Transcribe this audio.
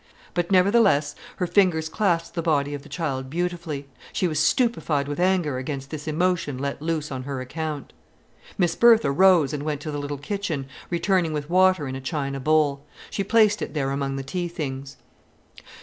But nevertheless her fingers clasped the body of the child beautifully. She was stupefied with anger against this emotion let loose on her account. Miss Bertha rose and went to the little kitchen, returning with water in a china bowl. She placed it there among the tea things.